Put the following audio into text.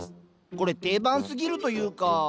これ定番すぎるというか。